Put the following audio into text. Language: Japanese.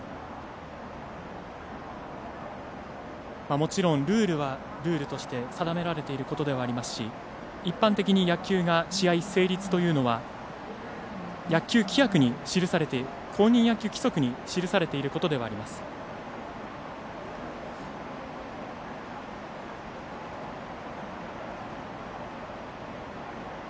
もちろん、ルールはルールとして定められていることではありますし一般的に野球が試合成立というのは公認野球規則に記されていることではあります。